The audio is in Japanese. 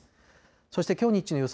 そしてきょう日中の予想